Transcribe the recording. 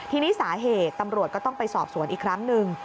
ทีนี้สาเหตุตำรวจก็ต้องไปสอบสวนอีกครั้งหนึ่ง